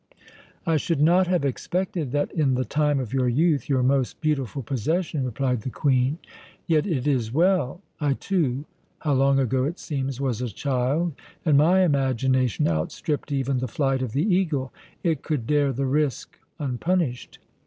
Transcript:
"I should not have expected that in the time of your youth, your most beautiful possession," replied the Queen. "Yet it is well. I too how long ago it seems! was a child, and my imagination outstripped even the flight of the eagle. It could dare the risk unpunished.